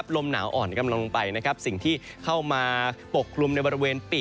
ลมหนาวอ่อนกำลังลงไป